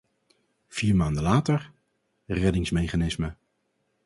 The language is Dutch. Vier maanden later: reddingsmechanisme.